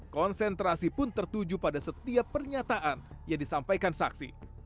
konsentrasi pun tertuju pada setiap pernyataan yang disampaikan saksi